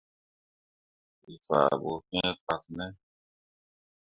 We faa bu fĩĩ kpak ne?